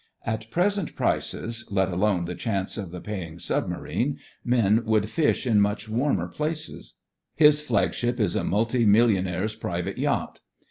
At present prices — let alone the chance of the paying submarine — men would fish in much w^armer places. His flagship is a multi millionaire's private yacht.